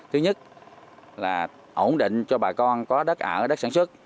thứ nhất là ổn định cho bà con có đất ở đất sản xuất